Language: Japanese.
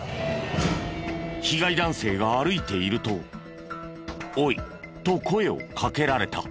被害男性が歩いていると「おい」と声をかけられた。